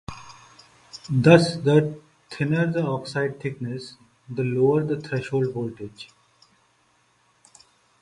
Thus, the thinner the oxide thickness, the lower the threshold voltage.